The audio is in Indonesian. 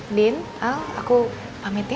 ndin al aku pamit ya